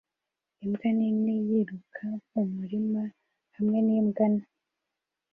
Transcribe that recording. Imbwa nini yiruka mu murima hamwe n'imbwa nto